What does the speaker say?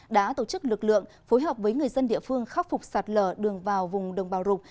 đã tổ chức lực lượng phối hợp với người dân địa phương khắc phục sạt lở đường vào vùng đồng bào rục